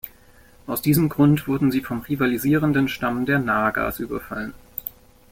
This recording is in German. Aus diesem Grund wurden sie vom rivalisierenden Stamm der Na-gas überfallen.